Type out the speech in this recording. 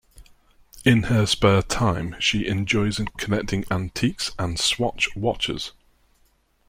In her spare time, she enjoys collecting antiques and Swatch watches.